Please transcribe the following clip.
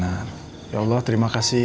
ya allah terima kasih